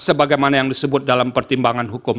sebagaimana yang disebut dalam pertimbangan hukum